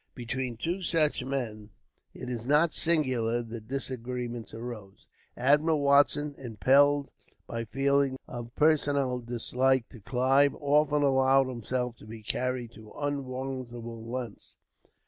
Between two such men, it is not singular that disagreements arose. Admiral Watson, impelled by feelings of personal dislike to Clive, often allowed himself to be carried to unwarrantable lengths.